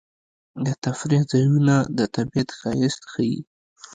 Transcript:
د تفریح ځایونه د طبیعت ښایست ښيي.